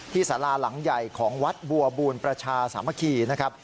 สาราหลังใหญ่ของวัดบัวบูรณประชาสามัคคีนะครับ